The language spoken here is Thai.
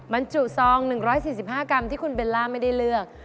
บรรจุซอง๑๔๕กรัมที่คุณเบลล่าไม่ได้เลือก